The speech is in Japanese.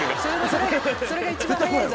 それが一番早いぞ。